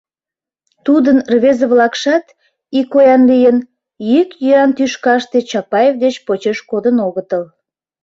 Тудын рвезе-влакшат, икоян лийын, йӱк-йӱанан тӱшкаште Чапаев деч почеш кодын огытыл.